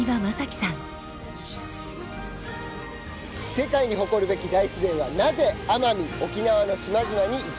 世界に誇るべき大自然はなぜ奄美・沖縄の島々に息づいているのでしょうか。